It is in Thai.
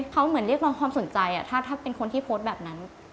เขาเหมือนเรียกร้องความสนใจถ้าเป็นคนที่โพสต์แบบนั้น